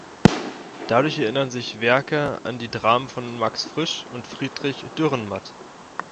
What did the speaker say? Dadurch erinnern seine Werke an die Dramen von Max Frisch und Friedrich Dürrenmatt.